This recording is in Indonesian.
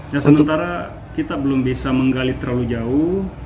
ya sementara kita belum bisa menggali terlalu jauh